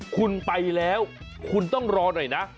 คุณไปแล้วคุณต้องรอหน่อยนะ